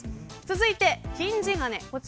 続いて金地金